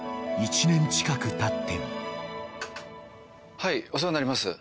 はいお世話になります。